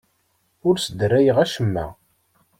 Ur sdarayeɣ acemma.